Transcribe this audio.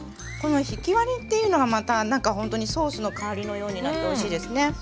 このひき割りっていうのがまたなんかほんとにソースの代わりのようになっておいしいですね。